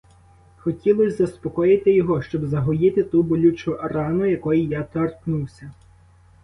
Хотілось заспокоїти його, щоб загоїти ту болючу рану, якої я торкнувся.